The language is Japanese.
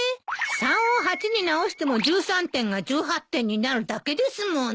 ３を８に直しても１３点が１８点になるだけですもんね。